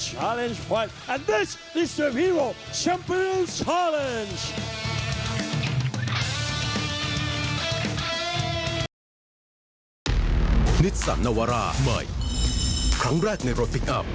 สุดท้ายครับทุกคนเราจะรับแรมของชอตเบอร์